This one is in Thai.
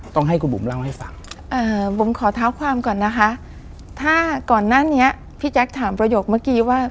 ต้องให้คุณบุ๋มเล่าให้ฟัง